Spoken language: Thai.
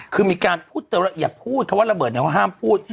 คือมีการพูดอย่าพูดคำว่าระเบิดเนี่ยเขาห้ามพูด